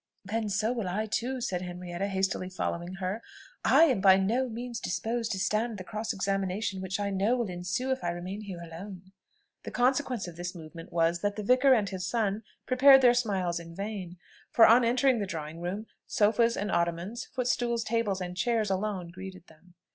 "Then so will I too," said Henrietta, hastily following her. "I am by no means disposed to stand the cross examination which I know will ensue if I remain here alone." The consequence of this movement was, that the vicar and his son prepared their smiles in vain; for, on entering the drawing room, sofas and ottomans, footstools, tables, and chairs, alone greeted them.